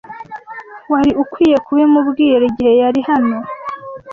Wari ukwiye kubimubwira igihe yari hano.